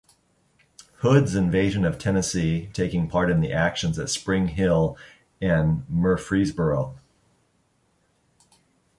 Hood's invasion of Tennessee, taking part in the actions at Spring Hill and Murfreesboro.